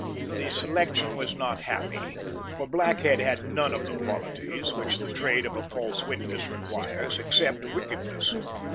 The selection was not happy; for Blackhead had none of the qualities which the trade of a false witness requires except wickedness.